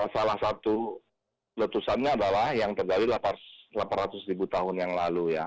salah satu letusannya adalah yang terjadi delapan ratus ribu tahun yang lalu ya